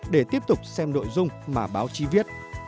để tiếp tục xem nội dung mà báo chí viết